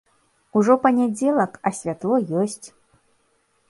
Ужо панядзелак, а святло ёсць.